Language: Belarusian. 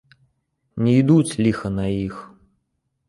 Не ідуць, ліха на іх!